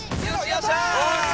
よっしゃー！